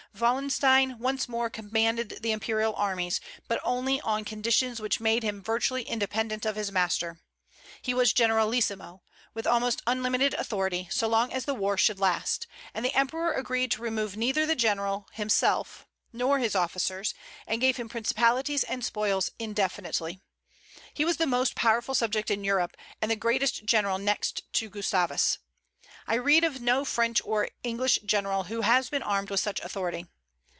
Wallenstein once more commanded the imperial armies, but only on conditions which made him virtually independent of his master. He was generalissimo, with almost unlimited authority, so long as the war should last; and the Emperor agreed to remove neither the general himself nor his officers, and gave him principalities and spoils indefinitely. He was the most powerful subject in Europe, and the greatest general next to Gustavus. I read of no French or English general who has been armed with such authority.